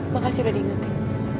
makasih udah diingetin